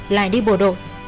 lại đi bộ đội